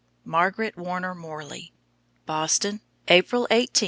MARGARET WARNER MORLEY. BOSTON, April 18, 1903.